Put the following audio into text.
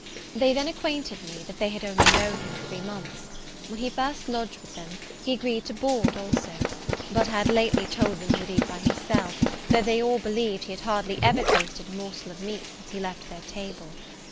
They then acquainted me, that they had only known him three months. When he first lodged with them, he agreed to board also; but had lately told them he would eat by himself, though they all believed he had hardly ever tasted a morsel of meat since he left their table.